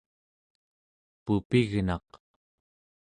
pupignaq